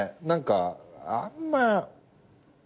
何かあんま。